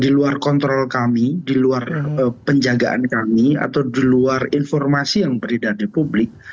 di luar kontrol kami di luar penjagaan kami atau di luar informasi yang berdiri dari publik